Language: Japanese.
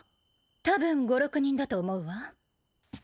たぶん５６人だと思うわ。